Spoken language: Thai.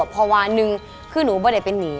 พอว่านึงคือนุบ่ได้ตอบหนี